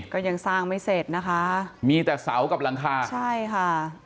ก็ยังสร้างไม่เสร็จนะคะมีแต่เสากับหลังคาใช่ค่ะ